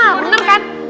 nah bener kan